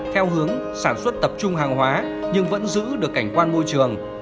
theo hướng sản xuất tập trung hàng hóa nhưng vẫn giữ được cảnh quan môi trường